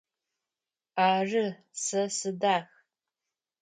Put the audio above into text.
Ары, сэ сыдах.